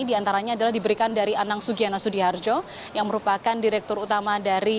diantaranya adalah diberikan dari anang sugiana sudiharjo yang merupakan direktur utama dari quadra solutions